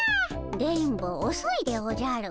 電ボおそいでおじゃる。